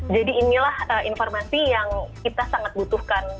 jadi inilah informasi yang kita sangat butuhkan